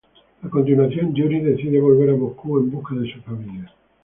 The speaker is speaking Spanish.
A continuación, Yuri decide volver a Moscú en busca de su familia.